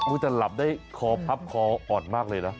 แต่หลับได้คอพับคออ่อนมากเลยนะ